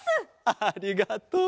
ありがとう。